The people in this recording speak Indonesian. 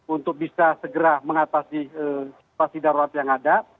untuk bisa segera mengatasi situasi darurat yang ada